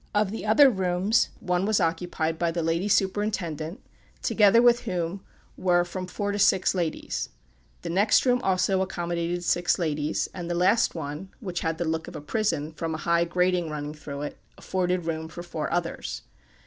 Of the other rooms, one was occupied by the lady superintendent, together with whom were from four to six ladies; the next room also accommodated six ladies, and the last one, which had the look of a prison, from a high grating running through it, afforded room for four others.